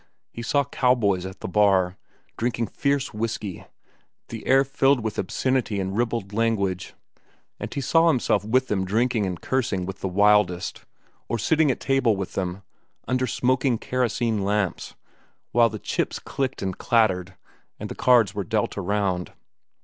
He saw cowboys at the bar, drinking fierce whiskey, the air filled with obscenity and ribald language, and he saw himself with them drinking and cursing with the wildest, or sitting at table with them, under smoking kerosene lamps, while the chips clicked and clattered and the cards were dealt around.